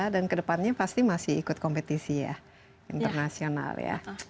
dan kedepannya pasti masih ikut kompetisi ya internasional ya